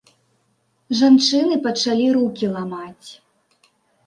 Жанчыны пачалі рукі ламаць.